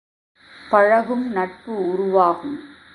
பழகும் நட்பு உருவாகும்.